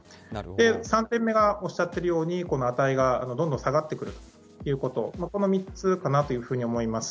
３点目がおっしゃってるように、この値がどんどん下がってくるということ、この３つかなというふうに思います。